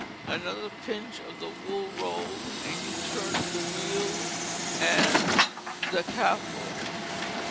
Another pinch of the wool roll, a new turn of the wheel, and da capo.